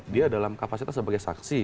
dia dalam kapasitas sebagai saksi